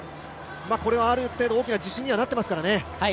これはある程度大きな自信にはなっていますからね。